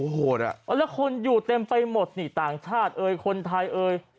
โอ้โหแล้วคนอยู่เต็มไปหมดนี่ต่างชาติเอ่ยคนไทยเอ่ย